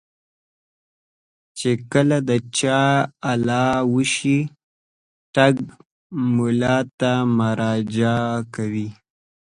کله چې د چا غلا وشي ټګ ملا ته مراجعه کوي.